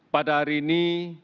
pada hari ini